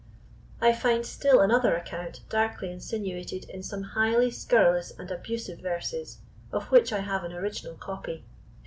I find still another account darkly insinuated in some highly scurrilous and abusive verses, of which I have an original copy.